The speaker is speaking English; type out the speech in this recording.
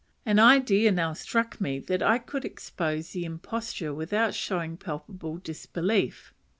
An idea now struck me that I could expose the imposture without showing palpable disbelief.